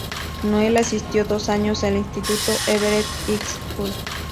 Noel asistió dos años al instituto "Everett High School".